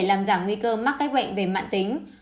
làm giảm nguy cơ mắc các bệnh về mạng tính